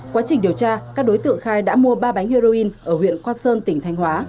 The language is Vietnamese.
quá trình điều tra các đối tượng khai đã mua ba bánh heroin ở huyện quan sơn tỉnh thanh hóa